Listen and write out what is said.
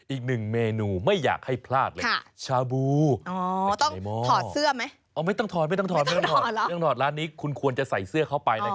อีกหนึ่งเมนูไม่อยากให้พลาดเลย